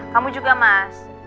kamu juga mas